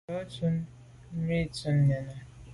Nu dun tu i me dut nène.